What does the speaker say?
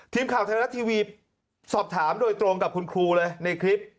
ทีมข่าวไทยรัฐทีวีสอบถามโดยตรงกับคุณครูเลยในคลิป